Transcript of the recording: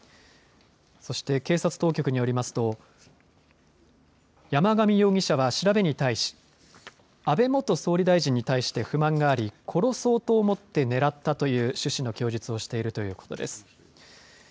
そして、警察当局によりますと山上容疑者は調べに対し安倍元総理大臣に対して不満があり殺そうと思って狙ったという趣旨の供述をしているということです。